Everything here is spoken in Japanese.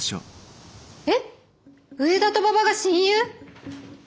えっ上田と馬場が親友！？